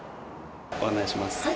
ご案内します。